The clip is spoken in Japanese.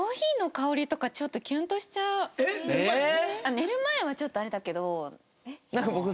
寝る前はちょっとあれだけど。